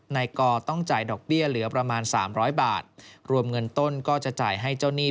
นายกอต้องจ่ายดอกเบี้ยเหลือประมาณสามร้อยบาทรวมเงินต้นก็จะจ่ายให้เจ้าหนี้